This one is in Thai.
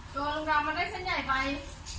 ตัวเรามันได้เส้นใหญ่ไป